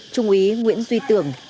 trung úy nguyễn duy tưởng